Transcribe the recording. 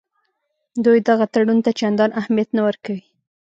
دوی دغه تړون ته چندان اهمیت نه ورکوي.